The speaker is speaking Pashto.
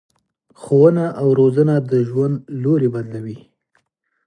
ښوونه او روزنه د ژوند لوری بدلوي.